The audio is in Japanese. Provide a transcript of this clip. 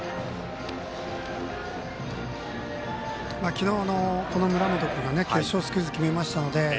昨日、村本君は決勝スクイズ決めましたので。